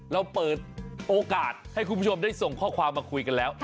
เราเปิดโอกาสให้คุณผู้ชมได้ส่งข้อความมาคุยกันแล้ว